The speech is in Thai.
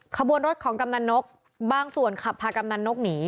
ขบวนรถของกำนันนกบางส่วนขับพากำนันนกหนี